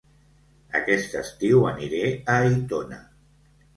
Aquest estiu aniré a Aitona